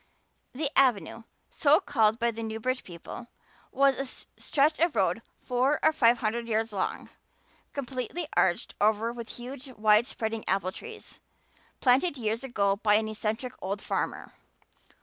The "Avenue," so called by the Newbridge people, was a stretch of road four or five hundred yards long, completely arched over with huge, wide spreading apple trees, planted years ago by an eccentric old farmer.